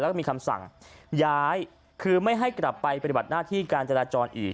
แล้วก็มีคำสั่งย้ายคือไม่ให้กลับไปปฏิบัติหน้าที่การจราจรอีก